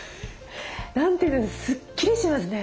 何ていうかスッキリしますね。